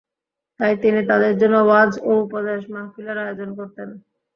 তাই তিনি তাদের জন্য ওয়াজ ও উপদেশ মহফিলের আয়োজন করতেন।